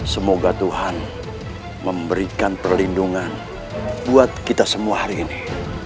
semoga tuhan memberikan perlindungan buat kita semua hari ini